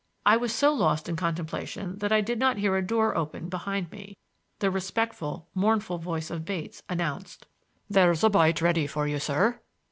I was so lost in contemplation that I did not hear a door open behind me. The respectful, mournful voice of Bates announced: "There's a bite ready for you, sir."